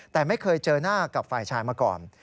แต่ไม่เคยเจอหน้ากับฝ่ายชายมาก่อน